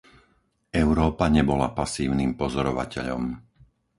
Európa nebola pasívnym pozorovateľom.